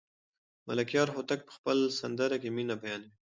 ملکیار هوتک په خپله سندره کې مینه بیانوي.